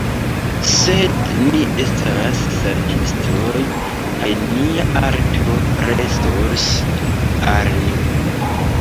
Sed ni estas saltistoj kaj nia arto restos al ni.